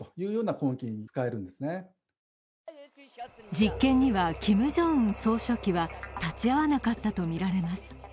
実験にはキム・ジョンウン総書記は立ち会わなかったとみられます。